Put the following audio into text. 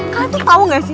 kalian tuh tau gak sih